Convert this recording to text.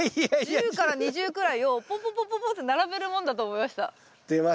１０から２０くらいをポンポンポンポンポンって並べるもんだと思いました。